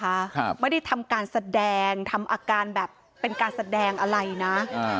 ครับไม่ได้ทำการแสดงทำอาการแบบเป็นการแสดงอะไรนะอ่า